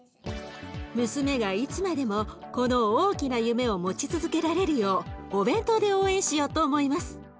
娘がいつまでもこの大きな夢を持ち続けられるようお弁当で応援しようと思います。